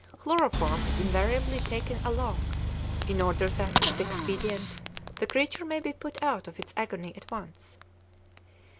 Chloroform is invariably taken along, in order that, if expedient, the creature may be put out of its agony at once.